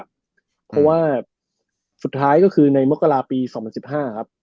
เพราะว่าสุดท้ายก็คือในมกราปี๒๐๑๕ครับ